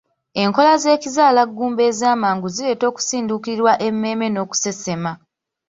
Enkola z'ekizaalaggumba ez'amangu zireeta okusinduukirirwa emmeeme n'okusesema.